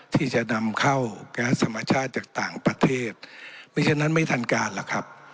ที่จะนำเข้าแก๊สธรรมชาติจากต่างประเทศไม่ฉะนั้นไม่ทันการหรอกครับ